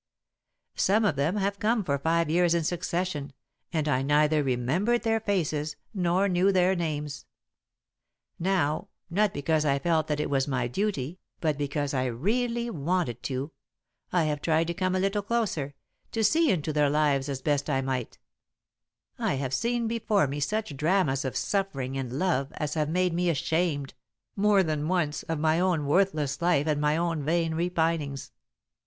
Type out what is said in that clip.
Some of them have come for five years in succession, and I neither remembered their faces nor knew their names. Now, not because I felt that it was my duty, but because I really wanted to, I have tried to come a little closer, to see into their lives as best I might. [Sidenote: The Humble Toilers] "I have seen before me such dramas of suffering and love as have made me ashamed, more than once, of my own worthless life and my own vain repinings.